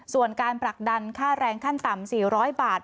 ส่วนการผลักดันค่าแรงขั้นต่ำ๔๐๐บาท